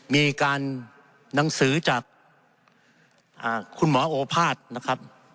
มีการหนังสือจากคุณหมอโอภาษย์นะครับ